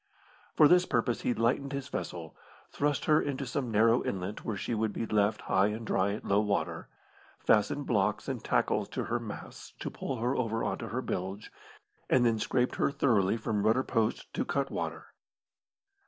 For this purpose he lightened his vessel, thrust her into some narrow inlet where she would be left high and dry at low water, fastened blocks and tackles to her masts to pull her over on to her bilge, and then scraped her thoroughly from rudder post to cut water.